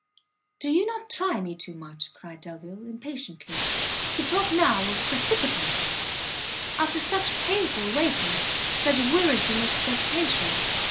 "Do you not try me too much," cried Delvile, impatiently, "to talk now of precipitancy! after such painful waiting, such wearisome expectation!